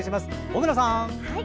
小村さん。